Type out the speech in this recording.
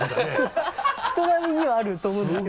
人並みにはあると思うんですけど。